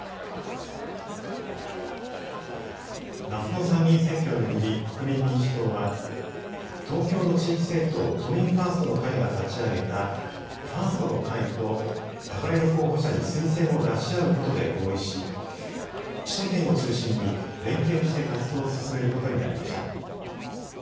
夏の参議院選挙を巡り、国民民主党は、東京の地域政党、都民ファーストの会が立ち上げたファーストの会と、互いの候補者に推薦を出し合うことで合意し、首都圏を中心に連携して活動を進めることになりました。